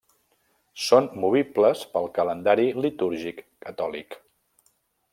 Són movibles pel calendari litúrgic catòlic.